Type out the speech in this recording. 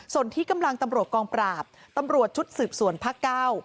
ส่วนที่กำลังตำรวจกองปราบตำรวจชุดสืบสวนภาคเก้า